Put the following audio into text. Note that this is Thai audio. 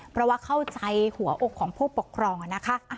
เพราะว่าเข้าใจหัวอกของผู้ปกครองนะคะ